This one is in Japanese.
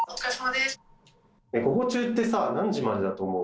午後中ってさ何時までだと思う？